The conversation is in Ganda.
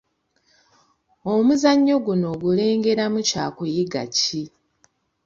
Omuzannyo guno ogulengeramu kyakuyiga ki?